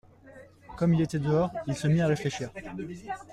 Comme il était dehors, il se mit à réfléchir.